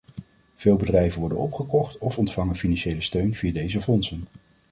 Veel bedrijven worden opgekocht of ontvangen financiële steun via deze fondsen.